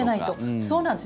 そうなんです。